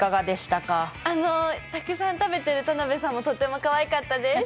たくさん食べている田辺さんもとてもかわいかったです。